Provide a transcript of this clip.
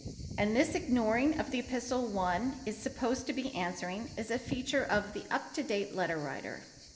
And this ignoring of the epistle one is supposed to be answering is a feature of the up to date letter writer.